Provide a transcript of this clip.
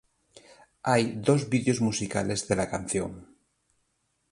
Hay dos vídeos musicales de la canción.